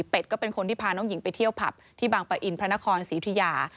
ก็เป็นคนที่พาน้องหญิงไปเที่ยวผับที่บางปะอินพระนครศรีอุทิยา